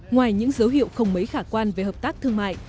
ngoài những dấu hiệu không mấy khả quan về hợp tác thương mại